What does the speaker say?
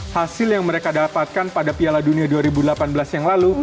hasil yang mereka dapatkan pada piala dunia dua ribu delapan belas yang lalu